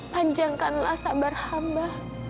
panjangkanlah sabar hamba